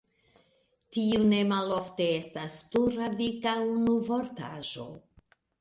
Tiu ne malofte estas plurradika unuvortaĵo.